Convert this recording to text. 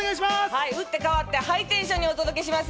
打って変わってハイテンションにお届けします。